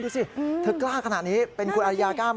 ดูสิเธอกล้าขนาดนี้เป็นคุณอาริยากล้าไหม